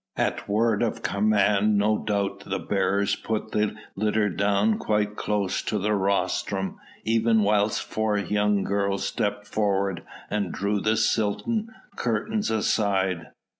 At word of command no doubt the bearers put the litter down quite close to the rostrum even whilst four young girls stepped forward and drew the silken curtains aside.